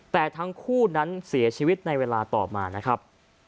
แต่ทั้งคู่นั้นเสียชีวิตในเวลาต่อมานะครับ